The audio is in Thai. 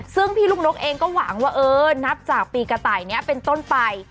ซึ่งพี่ลูกนกเองก็หวังว่าเออนับจากปีกระต่ายนี้เป็นต้นไป